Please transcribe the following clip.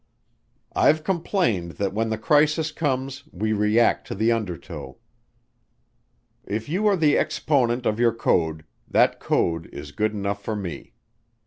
"I've complained that when the crisis comes we react to the undertow. If you are the exponent of your code, that code is good enough for me.